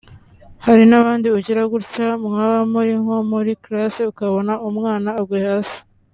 Hari n’abandi ugira gutya mwaba muri nko muri class ukabona umwana aguye hasi